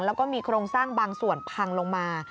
แล้วก็มีโครงสร้างบางส่วนพังลงมา